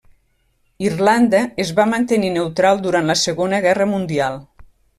Irlanda es va mantenir neutral durant la Segona Guerra Mundial.